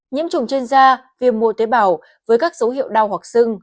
nhiễm trùng trên da viêm mô tế bào với các dấu hiệu đau hoặc sưng